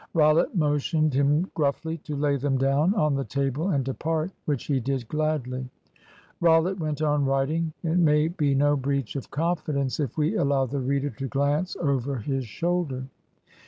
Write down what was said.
Rollitt motioned him gruffly to lay them down on the table and depart which he did gladly. Rollitt went on writing. It may be no breach of confidence if we allow the reader to glance over his shoulder.